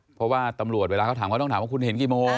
เพราะว่าตำรวจเวลาเขาถามเขาต้องถามว่าคุณเห็นกี่โมง